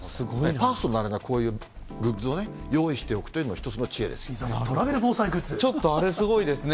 パーソナルなこういうグッズをね、用意しておくというのも、伊沢さん、トラベル防災グッちょっとあれ、すごいですね。